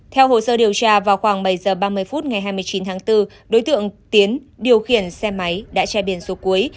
theo hồ sơ điều tra vào khoảng bảy h ba mươi phút ngày hai mươi chín tháng bốn đối tượng tiến điều khiển xe máy đã che biển số cuối